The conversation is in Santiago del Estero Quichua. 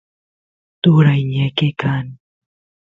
turay ñeqe kan